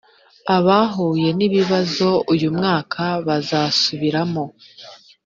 abahuye n ikibazo uyu mwaka bazasubiramo